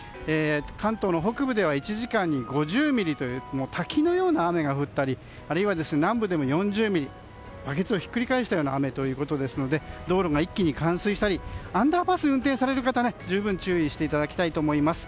関東の北部では１時間に５０ミリという滝のような雨が降ったりあるいは南部でも４０ミリバケツをひっくり返したような雨ということですので道路が一気に冠水したりアンダーパスを運転される方は十分注意していただきたいと思います。